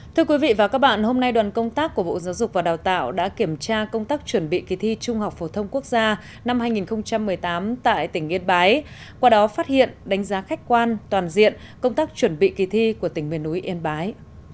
thưa quý vị và các bạn hôm nay đoàn công tác của bộ giáo dục và đào tạo đã kiểm tra công tác chuẩn bị kỳ thi trung học phổ thông quốc gia năm hai nghìn một mươi tám tại tỉnh yên bái qua đó phát hiện đánh giá khách quan toàn diện công tác chuẩn bị kỳ thi của tỉnh miền núi yên bái